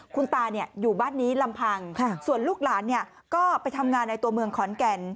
คุณตาอยู่บ้านนี้ลำพังส่วนลูกหลานก็ไปทำงานในตัวเมืองขอนแก่น